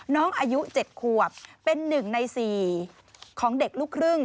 น้องอายุ๗ขวบเป็น๑ใน๔ของเด็กลูกครึ่ง